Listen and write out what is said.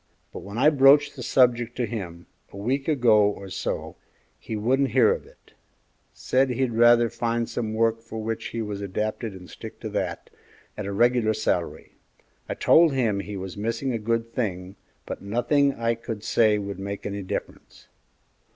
But when I broached the subject to him, a week ago or so, he wouldn't hear to it; said he'd rather find some work for which he was adapted and stick to that, at a regular salary. I told him he was missing a good thing, but nothing that I could say would make any difference."